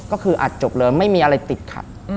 ก็คืออัดจบเลยไม่มีอะไรติดขัด